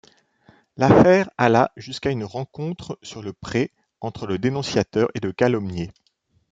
L'affaire alla jusqu'à une rencontre sur le pré entre le dénonciateur et le calomnié.